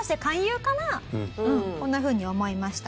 こんなふうに思いました。